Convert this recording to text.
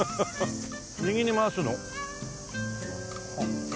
右に回すの？